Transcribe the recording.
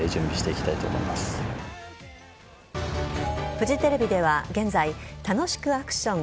フジテレビでは現在楽しくアクション！